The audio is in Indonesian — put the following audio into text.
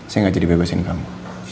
saya gak jadi bebasin kamu